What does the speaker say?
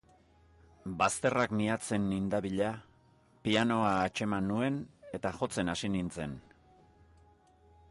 Bazterrak mihatzen nindabila, pianoa atxeman nuen eta jotzen hasi nintzen.